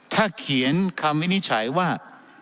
ถ้าเขียนคำวินิจฉัยว่า